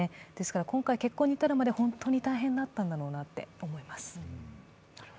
今回、結婚に至るまで本当に大変だっただろうなと思います。